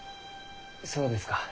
そうですか。